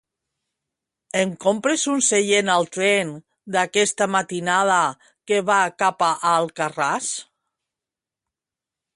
Em compres un seient al tren d'aquesta matinada que va cap a Alcarràs?